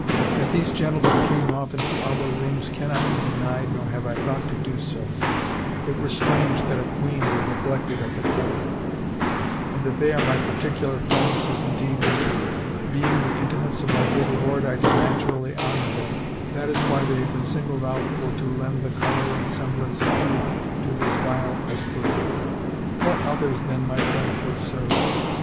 That these gentlemen came often to our rooms cannot be denied nor have I thought to do so — it were strange that a queen were neglected at the court 1 And that they are my particular friends is in deed the truth — being the intimates of my good lord I did naturally honor them — that is why they have been singled out for to lend the color and semblance of truth to this vile aspersion. What others than my friends would serve?